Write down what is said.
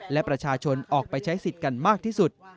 และประชาชนออกไปใช้สิทธิ์กันมากที่สุด